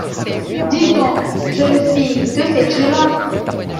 Dis-donc, jeune fille, que fais-tu là?